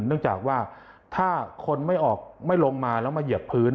เพราะฉะนั้นก็ว่าถ้าคนไม่ลงมาแล้วมาเหยียบพื้น